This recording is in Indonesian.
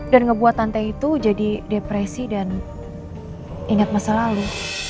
dan ngebuat tante itu jadi depresi dan inget masa lalu